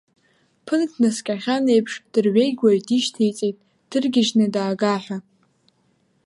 Ԥыҭк днаскьахьан еиԥш, дырҩегь уаҩ дишьҭеиҵет дыргьежьны даага ҳа.